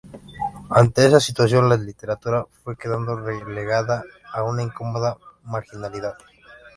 Ante esa situación la literatura fue quedando relegada a una incómoda marginalidad.